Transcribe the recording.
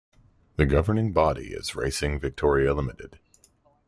The governing body is Racing Victoria Limited.